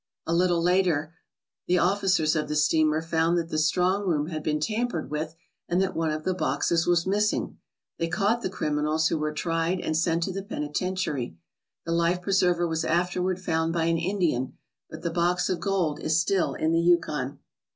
A little later the officers of the steamer found that the strong room had been tampered with and that one of the boxes was missing. They caught the criminals, who were tried and sent to the penitentiary. The life pre server was afterward found by an Indian, but the box of gold is still in the Yukon.